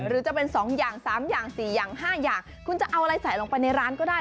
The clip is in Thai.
หรือจะเป็น๒อย่าง๓อย่าง๔อย่าง๕อย่างคุณจะเอาอะไรใส่ลงไปในร้านก็ได้